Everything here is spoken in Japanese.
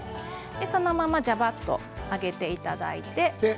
そのままジャバっとあげていただいて。